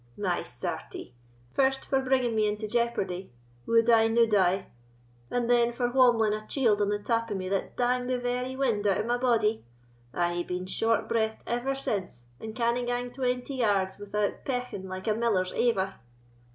my sartie! first for bringing me into jeopardy, would I nould I, and then for whomling a chield on the tap o' me that dang the very wind out of my body? I hae been short breathed ever since, and canna gang twenty yards without peghing like a miller's aiver."